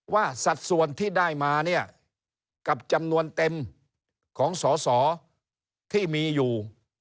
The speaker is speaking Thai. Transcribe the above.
สัดส่วนที่ได้มาเนี่ยกับจำนวนเต็มของสอสอที่มีอยู่